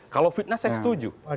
kalau fitnah saya setuju